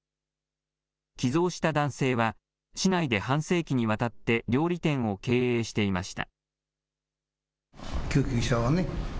寄贈した男性は、市内で半世紀にわたって料理店を経営していました。